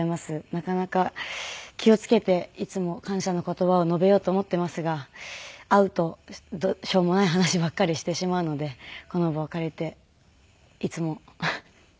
なかなか気を付けていつも感謝の言葉を述べようと思っていますが会うとしょうもない話ばっかりしてしまうのでこの場を借りていつも。